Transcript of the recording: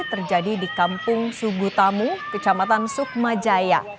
terjadi di kampung sugutamu kecamatan sukmajaya